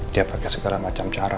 dia pakai segala macam cara